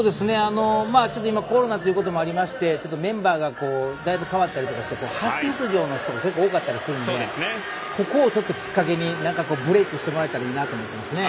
今、ちょっとコロナってこともありましてメンバーがだいぶ変わっていたりして初出場の人が多かったりするのでここをきっかけにブレークしてもらえたらと思いますね。